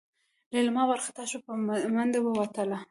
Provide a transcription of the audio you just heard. لېلما وارخطا شوه په منډه ووتله.